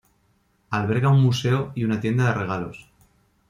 Alberga un museo y una tienda de regalos.